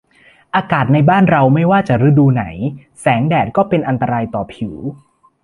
อากาศในบ้านเราไม่ว่าจะฤดูไหนแสงแดดก็เป็นอันตรายต่อผิว